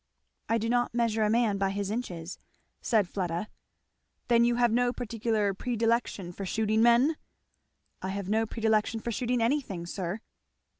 "I do not measure a man by his inches," said Fleda. "Then you have no particular predilection for shooting men?" "I have no predilection for shooting anything, sir."